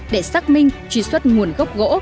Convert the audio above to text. để xác minh truy xuất nguồn gốc gỗ